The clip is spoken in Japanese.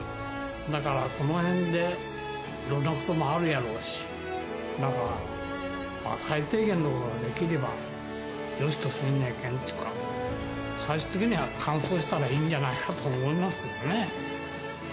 だから、このへんでいろんなこともあるやろうし、だから最低限のことができればよしとせないけんというか、最終的には完走したらいいんじゃないかなと思いますけどね。